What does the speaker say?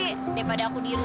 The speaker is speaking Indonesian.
kamu yang kecil